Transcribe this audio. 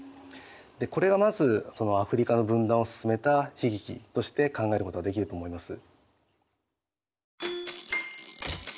これはまずアフリカの分断を進めた悲劇として考えることができると思います。